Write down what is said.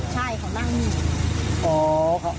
ใช่เขานั่งนี่